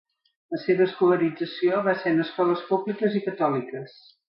La seva escolarització va ser en escoles públiques i catòliques.